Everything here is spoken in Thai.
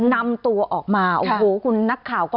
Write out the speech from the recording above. นำตัวออกมาโอ้โหคุณนักข่าวก็